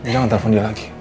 jangan telfon dia lagi